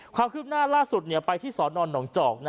ความคืบหน้าล่าสุดไปที่สอนอนหนองจอก